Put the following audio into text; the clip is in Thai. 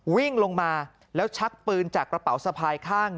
วิ่งลงมาแล้วชักปืนจากกระเป๋าสะพายข้าง